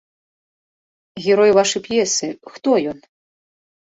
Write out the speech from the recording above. Герой вашай п'есы, хто ён?